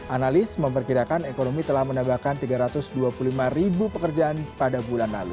analis memperkirakan ekonomi telah menambahkan tiga ratus dua puluh lima ribu pekerjaan pada bulan lalu